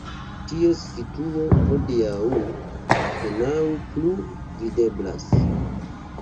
Ties situo hodiaŭ apenaŭ plu videblas.